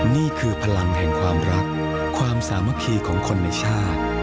นี่คือพลังแห่งความรักความสามัคคีของคนในชาติ